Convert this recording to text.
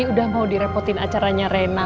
udah mau direpotin acaranya rena